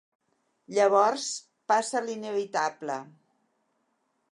Llavors passa l'inevitable.